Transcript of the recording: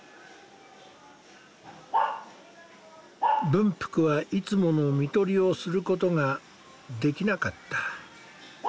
文福はいつもの看取りをすることができなかった。